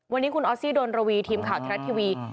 วันนี้คุณออสซี่ดนระวีทีมข่าวไทยรัฐทีวี